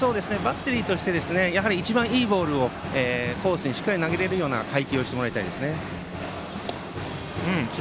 バッテリーとして一番いいボールをコースにしっかり投げれるような配球をしてもらいたいですね。